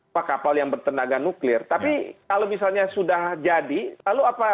apa kapal yang bertenaga nuklir tapi kalau misalnya sudah jadi lalu apa